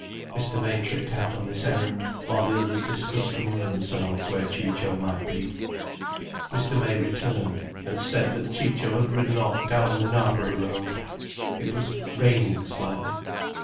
Mr. May tripped out on this errand, while the others discussed among themselves where Ciccio might be. Mr. May returned, and said that Ciccio had ridden off down the Knarborough Road. It was raining slightly.